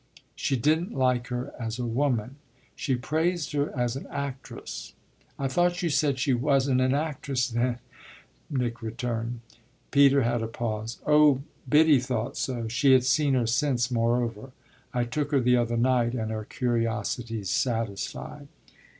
"She didn't like her as a woman; she praised her as an actress." "I thought you said she wasn't an actress then," Nick returned. Peter had a pause. "Oh Biddy thought so. She has seen her since, moreover. I took her the other night, and her curiosity's satisfied."